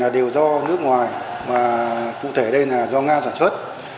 đều do nước ngoài mà cụ thể đây là do nga sản xuất